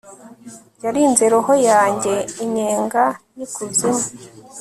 yarinze roho yanjye inyenga y'ikuzimu